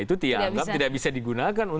tidak bisa digunakan